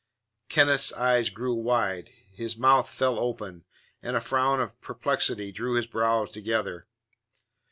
Kenneth's eyes grew wide; his mouth fell open, and a frown of perplexity drew his brows together.